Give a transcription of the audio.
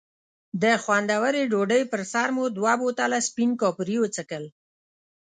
د خوندورې ډوډۍ پر سر مو دوه بوتله سپین کاپري وڅښل.